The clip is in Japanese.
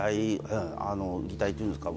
擬態っていうんですか？